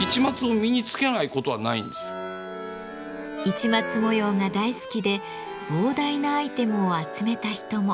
市松模様が大好きで膨大なアイテムを集めた人も。